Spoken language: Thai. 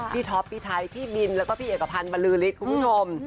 ท็อปพี่ไทยพี่บินแล้วก็พี่เอกพันธ์บรรลือฤทธิ์คุณผู้ชม